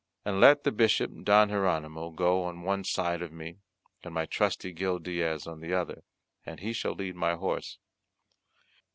And let the Bishop Don Hieronymo go on one side of me, and my trusty Gil Diaz on the other, and he shall lead my horse.